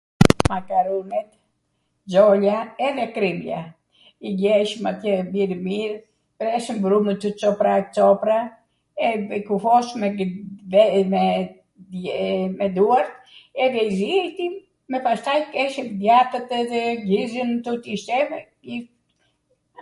makarunet, xolja, edhe krimbla, i gjeshmw atje mirw mirw, presmw brumwtw copra copra e i kufosmw me duar edhe i ziejtim, pastaj keshwm djathwtw edhe gjizwn, i shtermw ....